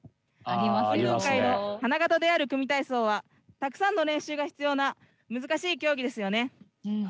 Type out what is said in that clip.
運動会の花形である組体操はたくさんの練習が必要な難しい競技ですよね。